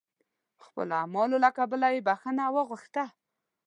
خپلو اعمالو له کبله یې بخښنه وغوښته.